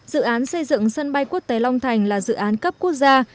dự án xây dựng sân bay quốc tế long thành là dự án cấp quốc gia